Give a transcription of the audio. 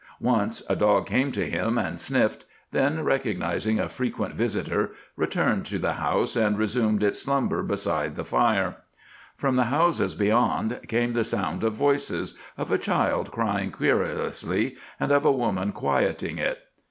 Once a dog came to him and sniffed, then, recognizing a frequent visitor, returned to the house and resumed its slumber beside the fire. From the houses beyond came the sound of voices, of a child crying querulously, and of a woman quieting it.